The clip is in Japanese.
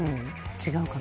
違うかな